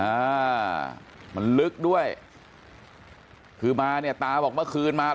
อ่ามันลึกด้วยคือมาเนี่ยตาบอกเมื่อคืนมา